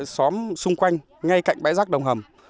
xóm xung quanh ngay cạnh bãi rác đồng hầm